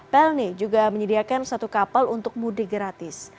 pelni juga menyediakan satu kapal untuk mudik gratis